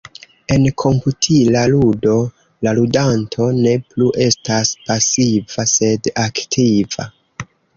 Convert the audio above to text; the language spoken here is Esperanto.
En komputila ludo, la ludanto ne plu estas pasiva sed aktiva.